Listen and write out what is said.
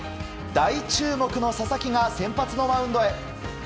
大注目の佐々木が先発のマウンドへ。